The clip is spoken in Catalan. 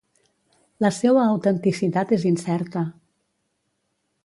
La seua autenticitat és incerta.